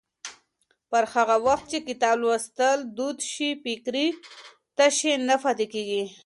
پر هغه وخت چې کتاب لوستل دود شي، فکري تشې نه پاتې کېږي.